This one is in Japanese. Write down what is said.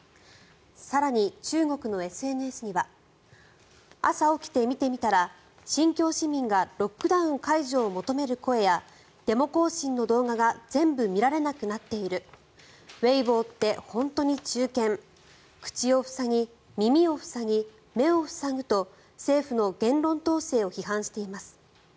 更に、中国のＳＮＳには朝起きて見てみたら新疆市民がロックダウンを解除を求める声やデモ行進の動画が全部見られなくなっているウェイボーって本当に忠犬口を塞ぎ、耳を塞ぎ、目を塞ぐと政府の言論統制を批判しています。